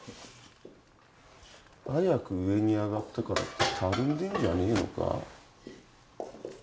早く上にあがったからってたるんでんじゃねえのか？